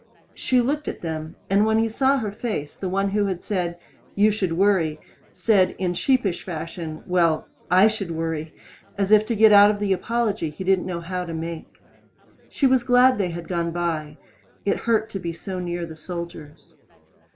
She looked at them, and when he saw her face the one who had said, "You should worry," said, in sheepish fashion, "Well, I should worry," as if to get out of the apology he didn't know how to make. She was glad they had gone by. It hurt so to be near the soldiers.